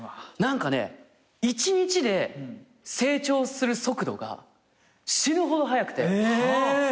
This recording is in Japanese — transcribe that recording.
何かね一日で成長する速度が死ぬほど速くて。